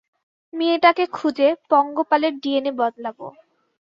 মেয়েটাকে খুঁজে, পঙ্গপালের ডিএনএ বদলাবো।